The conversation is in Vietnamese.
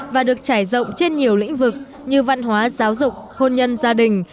và được trải rộng trên nhiều lĩnh vực như văn hóa giáo dục hôn nhân gia đình